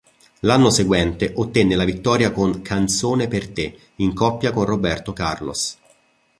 L'anno seguente ottenne la vittoria con "Canzone per te" in coppia con Roberto Carlos.